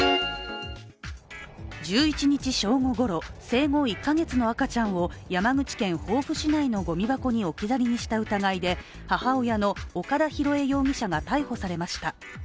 １１日正午ごろ、生後１か月の赤ちゃんを山口県防府市内のごみ箱に置き去りにした疑いで母親の岡田広恵容疑者が逮捕されました。